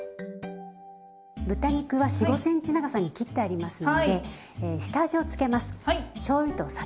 豚肉は４５ｃｍ長さに切ってありますので下味をつけます。